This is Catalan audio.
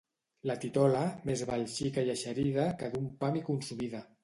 La titola, més val xica i eixerida que d'un pam i consumida.